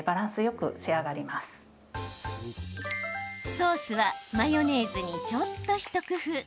ソースはマヨネーズにちょっと一工夫。